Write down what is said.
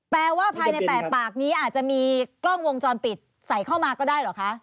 แปลว่าภายใน๘ปากนี้อาจจะมีกล้องวงจรปิดใส่เข้ามาก็ได้เหรอคะ